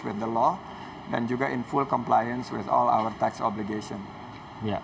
dengan peraturan dengan peraturan dan juga penuh kompleksi dengan semua obligasi uang kita